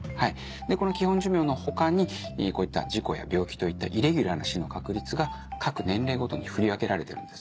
この基本寿命の他にこういった事故や病気といったイレギュラーな死の確率が各年齢ごとに振り分けられてるんです。